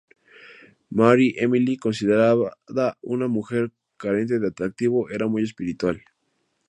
Marie-Émilie, considerada una mujer carente de atractivo, era muy espiritual.